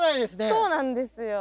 そうなんですよ。